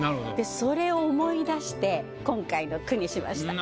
それを思い出して今回の句にしました。